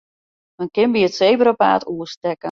Men kin by it sebrapaad oerstekke.